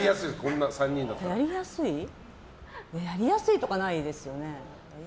やりやすいとかはないですね。